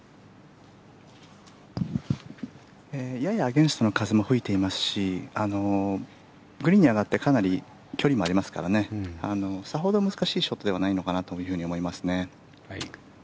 ややアゲンストの風も吹いていますしグリーンに上がってかなり距離もありますからねさほど難しいショットではないのかなと思いますね。